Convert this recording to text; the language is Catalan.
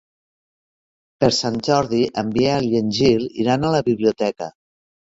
Per Sant Jordi en Biel i en Gil iran a la biblioteca.